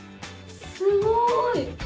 すごい！